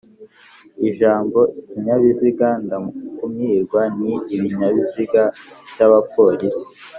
Ijambo "ikinyabiziga - ndakumirwa" ni ibinyabiziga by'abapolisi